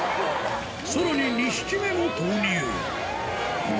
さらに２匹目も投入。